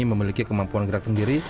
memiliki kemampuan gerak sendiri